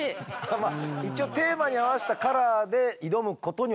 まあ一応テーマに合わせたカラーで挑むことにはしているんです。